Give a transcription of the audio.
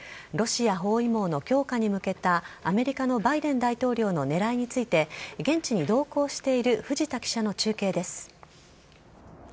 ロシア包囲網の強化に向けたアメリカのバイデン大統領の狙いについて現地に同行している藤田記者の中継です。